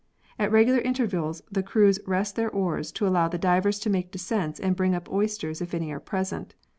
At regular intervals the crew rest on their oars to allow the divers to make descents and bring up oysters if any are present.